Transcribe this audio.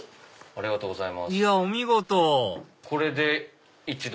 ありがとうございます！